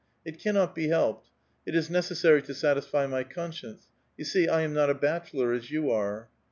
It cannot be helped ; it is necessary to satisfy my conscience ; you see, I am not a bachelor, as you are."